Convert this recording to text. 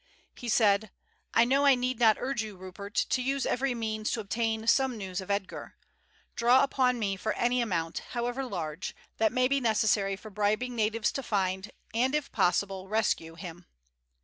He said: "I know I need not urge you, Rupert, to use every means to obtain some news of Edgar. Draw upon me for any amount, however large, that may be necessary for bribing natives to find, and if possible rescue, him.